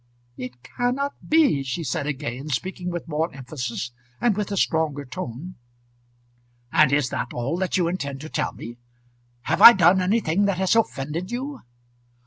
"It cannot be," she said again, speaking with more emphasis, and with a stronger tone. "And is that all that you intend to tell me? Have I done anything that has offended you?"